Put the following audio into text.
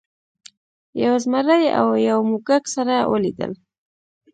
یو زمري او یو موږک سره ولیدل.